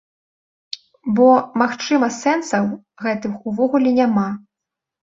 Бо, магчыма, сэнсаў гэтых увогуле няма.